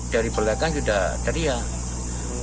dari belakang sudah teriak